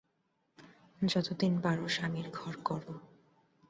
যতদিন পারো স্বামীর ঘর কর।